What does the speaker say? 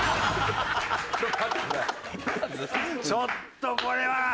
ちょっとこれは。